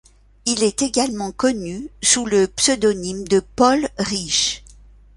Il est également connu sous le pseudonyme de Paul Riche.